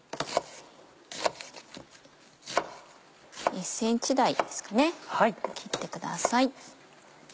１ｃｍ大ですかね切ってください。